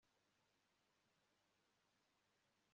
Sinigeze ngira icyo kibazo kuri Gakwaya